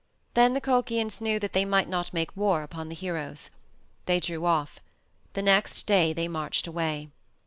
Then the Colchians knew that they might not make war upon the heroes. They drew off. The next day they marched away.